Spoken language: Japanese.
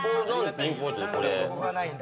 ピンポイントで。